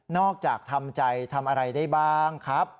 อกจากทำใจทำอะไรได้บ้างครับ